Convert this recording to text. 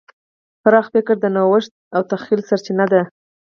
پراخ فکر د نوښت او تخیل سرچینه ده.